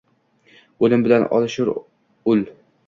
Oʼlim bilan olishar ul